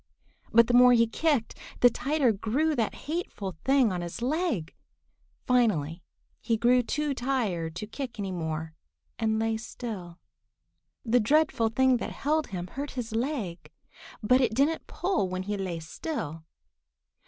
But the more he kicked, the tighter grew that hateful thing on his leg! Finally he grew too tired to kick any more and lay still. The dreadful thing that held him hurt his leg, but it didn't pull when he lay still.